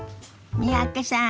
三宅さん